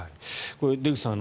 出口さん